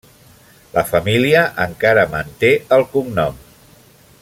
La família encara manté el cognom.